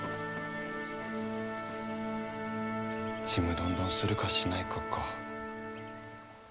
ちむどんどんするかしないかか。